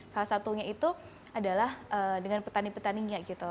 salah satunya itu adalah dengan petani petaninya gitu